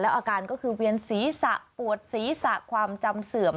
อาการก็คือเวียนศีรษะปวดศีรษะความจำเสื่อม